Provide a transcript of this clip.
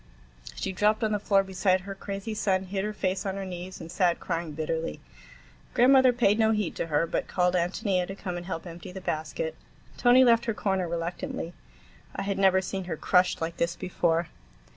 She dropped on the floor beside her crazy son, hid her face on her knees, and sat crying bitterly. Grandmother paid no heed to her, but called Ántonia to come and help empty the basket. Tony left her corner reluctantly. I had never seen her crushed like this before.